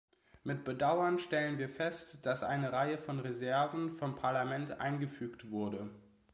Mit Bedauern stellen wir fest, dass eine Reihe von Reserven vom Parlament eingefügt wurde.